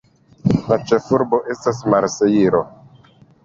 La ĉefurbo estas Marsejlo.